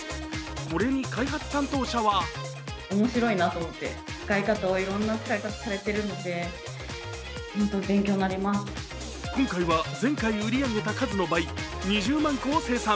これに開発担当者は今回は前回売り上げた数の倍、２０万個を生産。